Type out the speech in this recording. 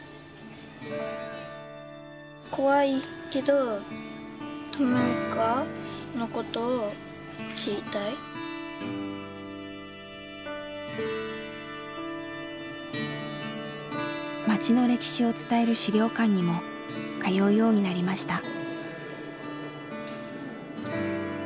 怖いけど町の歴史を伝える資料館にも通うようになりました。